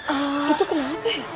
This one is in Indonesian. ah itu kenapa